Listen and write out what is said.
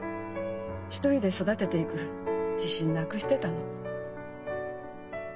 一人で育てていく自信なくしてたの。